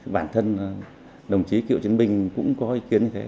bản thân đồng chí cựu chiến binh cũng có ý kiến như thế